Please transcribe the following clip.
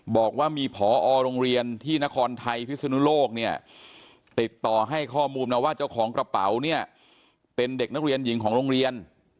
บอกว่ามีผอโรงเรียนที่นครไทยพิศนุโลกเนี่ยติดต่อให้ข้อมูลมาว่าเจ้าของกระเป๋าเนี่ยเป็นเด็กนักเรียนหญิงของโรงเรียน